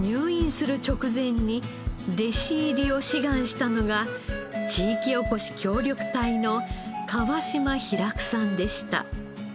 入院する直前に弟子入りを志願したのが地域おこし協力隊の川島拓さんでした。